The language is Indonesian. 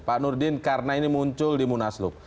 pak nurdin karena ini muncul di munaslup